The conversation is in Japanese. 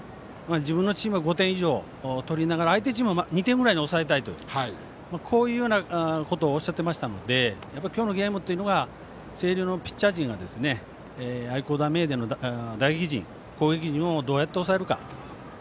自分のチームが５点以上取りながら相手チームを２点ぐらいに抑えたいということをおっしゃっていましたので今日のゲーム星稜のピッチャー陣が愛工大名電の打撃陣攻撃陣をどうやって抑えるか。